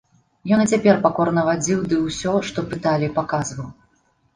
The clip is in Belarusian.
Ён і цяпер пакорна вадзіў ды ўсё, што пыталі, паказваў.